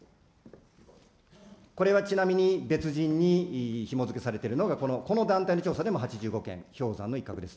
これはちなみに、別人にひも付けされてるのが、この団体の調査でも８５件、氷山の一角です。